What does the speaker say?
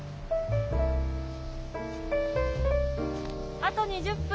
あと２０分です。